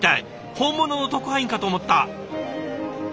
本物の特派員かと思った！